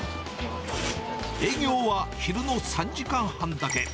営業は昼の３時間半だけ。